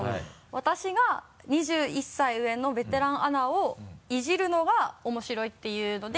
私が２１歳上のベテランアナをイジるのが面白いっていうので。